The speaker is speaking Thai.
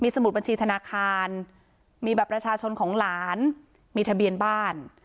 สมุดบัญชีธนาคารมีบัตรประชาชนของหลานมีทะเบียนบ้าน